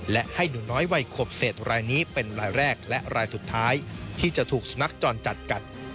และให้หนูน้อยวัยขวบเศษรายนี้เป็นรายแรกและรายสุดท้ายที่จะถูกสุนัขจรจัดกัด